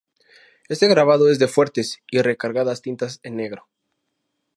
Este grabado es de fuertes y recargadas tintas en negro.